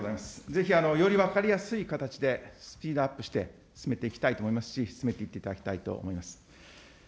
ぜひより分かりやすい形で、スピードアップして進めていきたいと思いますし、進めていっていただきたいと思います。